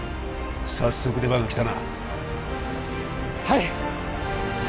早速出番が来たなはい！